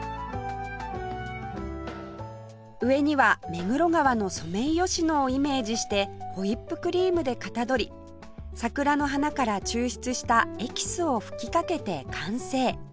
上には目黒川のソメイヨシノをイメージしてホイップクリームでかたどり桜の花から抽出したエキスを吹きかけて完成